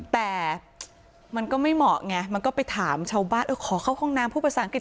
แต่มันก็ไม่เหมาะไงมันก็ไปถามชาวบ้านเออขอเข้าห้องน้ำพูดภาษาอังกฤษ